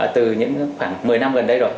từ những khoảng một mươi năm gần đây rồi